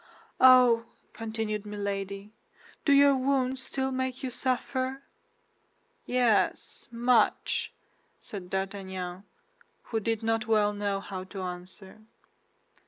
"Oh," continued Milady, "do your wounds still make you suffer?" "Yes, much," said D'Artagnan, who did not well know how to answer.